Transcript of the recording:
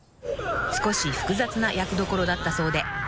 ［少し複雑な役どころだったそうで］